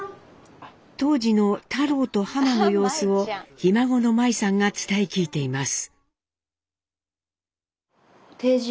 当時の太郎とハマの様子をひ孫の舞さんが伝え聞いています。